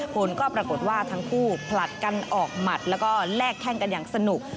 ผลก็ปรากฏว่าทั้งคู่ผลัดกันออกหมัดแล้วก็แลกแข้งกันอย่างสนุก